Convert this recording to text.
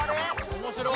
面白い！